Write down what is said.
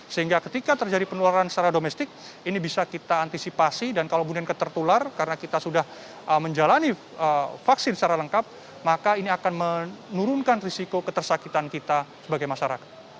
sehingga ketika terjadi penularan secara domestik ini bisa kita antisipasi dan kalau kemudian tertular karena kita sudah menjalani vaksin secara lengkap maka ini akan menurunkan risiko ketersakitan kita sebagai masyarakat